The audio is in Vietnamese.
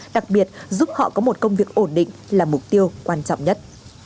đặc biệt giúp họ có một công việc ổn định là mục tiêu quan trọng nhất